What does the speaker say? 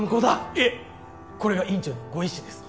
いえこれが院長のご遺志です。